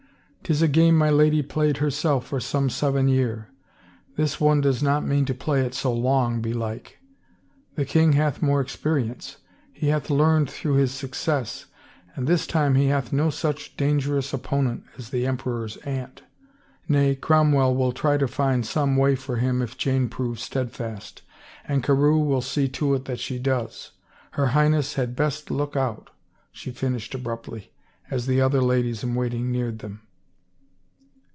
'Tis a game my lady played herself for some seven year — this one does not mean to play it so long, belike. The king hath more experience; he hath learned through his success, and this time he hath no such dangerous opponent as the emperor's aunt — Nay, Cromwell will try to find some way for him if Jane prove steadfast, and Carewe will see to it that she does — her Highness had best look out," she finished abruptly as the other ladies in waiting neared them.